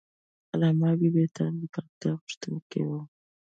علامه حبیبي د تعلیم د پراختیا غوښتونکی و.